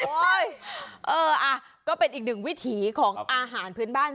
เออก็เป็นอีกหนึ่งวิถีของอาหารพื้นบ้าน